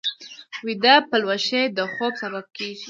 ویده پلوشې د خوب سبب کېږي